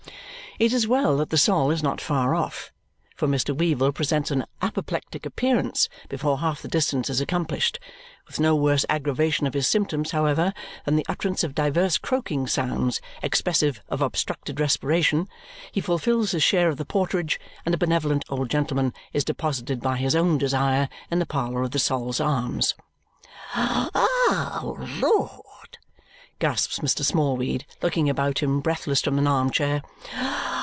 It is well that the Sol is not far off, for Mr. Weevle presents an apoplectic appearance before half the distance is accomplished. With no worse aggravation of his symptoms, however, than the utterance of divers croaking sounds expressive of obstructed respiration, he fulfils his share of the porterage and the benevolent old gentleman is deposited by his own desire in the parlour of the Sol's Arms. "Oh, Lord!" gasps Mr. Smallweed, looking about him, breathless, from an arm chair.